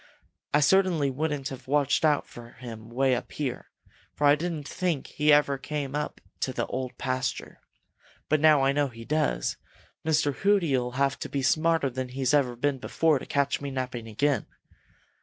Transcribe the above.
I certainly wouldn't have watched out for him way up here, for I didn't think he ever came up to the Old Pasture. But now I know he does, Mr. Hooty'll have to be smarter than he's ever been before to catch me napping again.